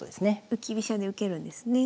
浮き飛車で受けるんですね。